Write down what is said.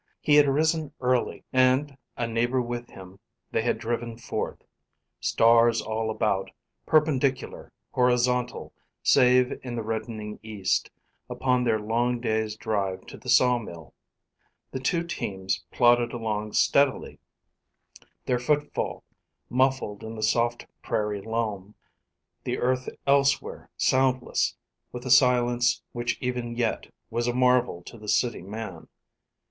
He had risen early, and, a neighbor with him, they had driven forth: stars all about, perpendicular, horizontal, save in the reddening east, upon their long day's drive to the sawmill. The two teams plodded along steadily, their footfall muffled in the soft prairie loam; the earth elsewhere soundless, with a silence which even yet was a marvel to the city man.